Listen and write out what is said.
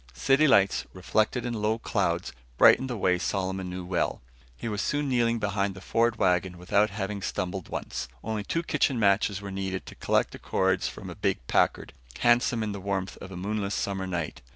City lights, reflected in low clouds, brightened the way Solomon knew well. He was soon kneeling behind the Ford wagon without having stumbled once. Only two kitchen matches were needed to collect the cords from a big Packard, handsome in the warmth of a moonless summer night.